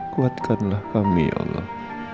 kuatkanlah kami ya allah